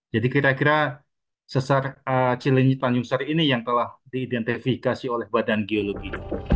jadi kira kira sesar celenyi tanjung sari ini yang telah diidentifikasi oleh badan geologi